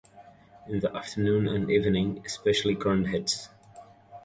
In the afternoon and evening especially current hits.